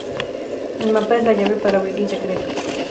El mapa es la llave para abrir el secreto.